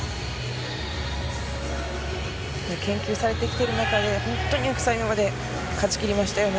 研究されてきている中で、本当によく最後まで、勝ちきりましたよね。